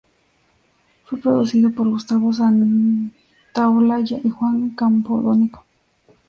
Fue producido por Gustavo Santaolalla y Juan Campodónico.